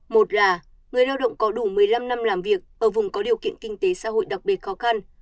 một là người lao động có đủ một mươi năm năm làm việc ở vùng có điều kiện kinh tế xã hội đặc biệt khó khăn